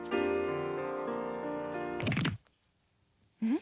ん？